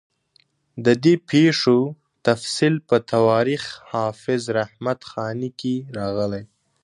د دې پېښو تفصیل په تواریخ حافظ رحمت خاني کې راغلی.